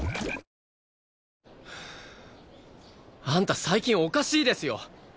あんた最近おかしいですよ。